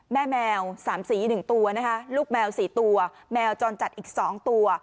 แมว๓สี๑ตัวนะคะลูกแมว๔ตัวแมวจรจัดอีก๒ตัว